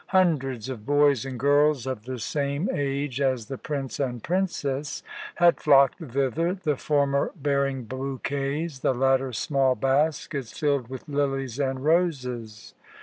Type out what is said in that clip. Hundreds of boys and girls of the same age as the prince and princess had flocked thither, the former bearing bouquets, the latter small baskets filled with lilies and roses.